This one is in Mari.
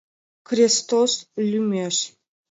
Крестос лӱмеш.